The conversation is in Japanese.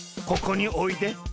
ここにおいで。